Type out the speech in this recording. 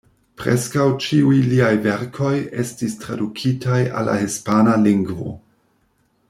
Preskaŭ ĉiuj liaj verkoj estis tradukitaj al la hispana lingvo.